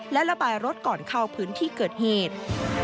และระบายรถก่อนเข้าพื้นที่เกิดเหตุ